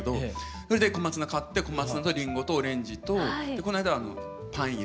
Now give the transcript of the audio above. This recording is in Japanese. それで小松菜買って小松菜とリンゴとオレンジとこの間はパイン入れたんですけど。